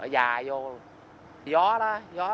đẩy dài vô